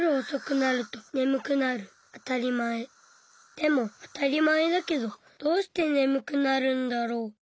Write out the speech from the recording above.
でもあたりまえだけどどうしてねむくなるんだろう？